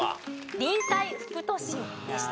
臨海副都心でした。